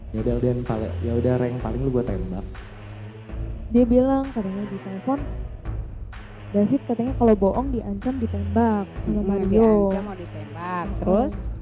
dia bilang katanya di telepon david katanya kalau bohong diancam ditembak sama mario